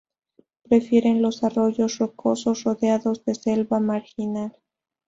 Prefiere los arroyos rocosos rodeados de selva marginal.